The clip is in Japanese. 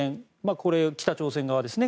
これ、北朝鮮側ですね。